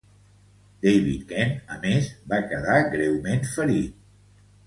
David Kent, a més, va quedar greument ferit.